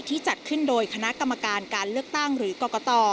จัดขึ้นโดยคณะกรรมการการเลือกตั้งหรือกรกต